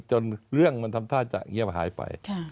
เรื่องมันทำท่าจะเงียบหายไป